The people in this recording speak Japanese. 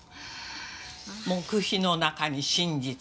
「黙秘の中に真実がある」